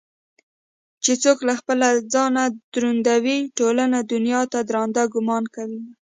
چې څوك له خپله ځانه دروندوي ټولې دنياته ددراندۀ ګومان كوينه